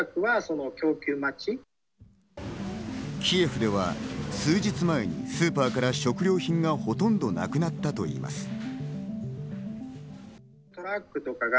キエフでは数日前にスーパーから食料品がほとんどなくなったといいます。